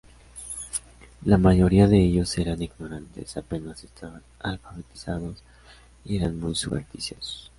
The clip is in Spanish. La mayoría de ellos eran ignorantes, apenas estaban alfabetizados, y eran muy supersticiosos.